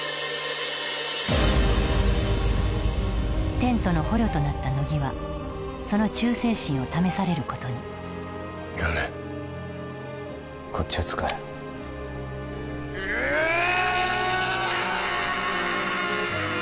テントの捕虜となった乃木はその忠誠心を試されることにやれこっちを使えうーあー！